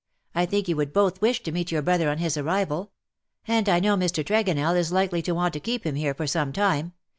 I think you would both wish to meet your brother on his arrival ; and I know Mr. Tregonell is likely to want to keep him here for some time.